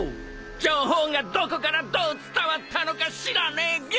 情報がどこからどう伝わったのか知らねえが。